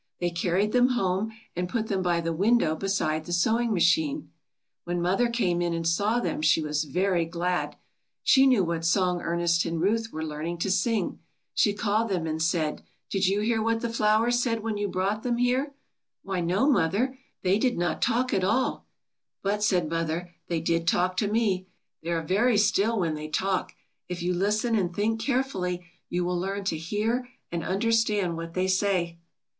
They carried them home and put them by the window beside the sewing machine. When mother came in and saw them she was very glad. She knew what song Ernest and Ruth were learning to sing. She called them and said: "Did you hear what the THE SONG THEY ALL SANG. 83 flowers said when you brought them here?'' "Why, no, mother, they did not talk at all." "But," said Mother, "they did talk to me; they are very still when they talk. If you listen and think carefully, you will learn to hear and understand what they say."